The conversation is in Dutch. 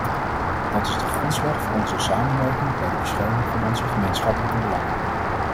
Dat is de grondslag voor onze samenwerking bij de bescherming van onze gemeenschappelijke belangen.